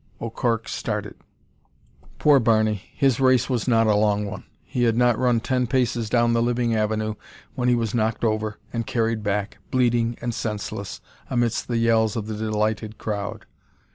O'Cork started. Poor Barney! His race was not a long one. He had not run ten paces down the living avenue when he was knocked over, and carried back, bleeding and senseless, amidst the yells of the delighted crowd.